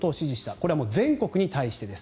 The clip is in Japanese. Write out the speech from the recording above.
これは全国に対してです。